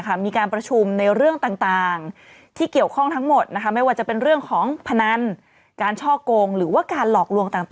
จิ๊กกี้ฉันรู้แล้วหนุ่มไม่ได้น่ากลัวแกน่ะแหละน่ากลัว